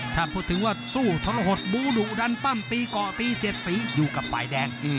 ถ้าพูดถึงว่าสู้ทรหดบูดุดันปั้มตีเกาะตีเสียดสีอยู่กับฝ่ายแดง